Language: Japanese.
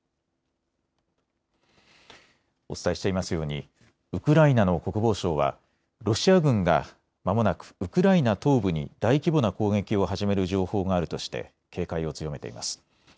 お伝えしていますようにウクライナの国防省はロシア軍がまもなくウクライナ東部に大規模な攻撃を始める情報があるとして警戒を強めています。